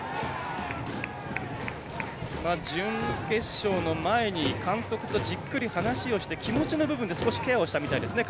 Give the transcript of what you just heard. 準決勝の前に監督とじっくり話をして気持ちの部分で少しケアをしたみたいですね。